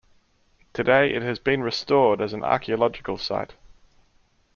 Today it has been restored as an archaeological site.